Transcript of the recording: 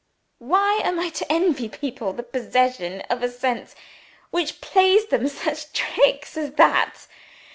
Why am I to envy people the possession of a sense which plays them such tricks as that?